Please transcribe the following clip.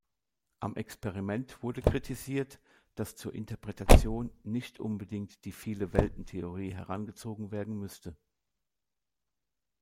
Am Experiment wurde kritisiert, dass zur Interpretation nicht unbedingt die Viele-Welten-Theorie herangezogen werden müsste.